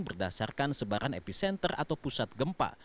berdasarkan sebaran epicenter atau pusat gempa